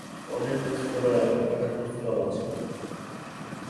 অনেক রেস্তোরাঁ এবং খাদ্য স্টল আছে।